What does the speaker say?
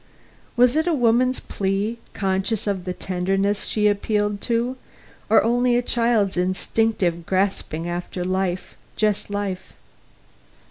Was it a woman's plea, conscious of the tenderness she appealed to, or only a child's instinctive grasping after life, just life?